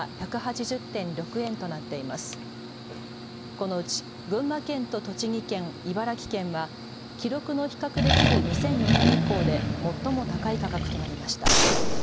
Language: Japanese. このうち群馬県と栃木県、茨城県は記録の比較できる２００４年以降で最も高い価格となりました。